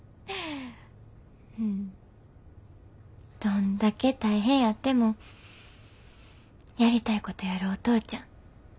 どんだけ大変やってもやりたいことやるお父ちゃん。